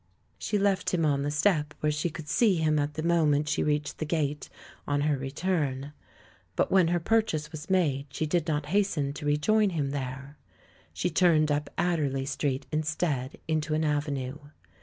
She left him on the stoey, where she would see him at the moment she reached the gate on her 154j the man who UNDERSTOOD WOMEN return. But when her purchase was made, she, did not hasten to rejoin him there. She turned up Adderley Street, instead, into an avenue.